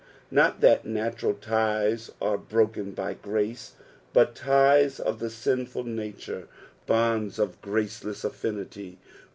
Not that natural ties are broken by grace, but ties of the sinful nature, bonds of graceless affinity.